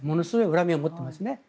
恨みを持っていますね。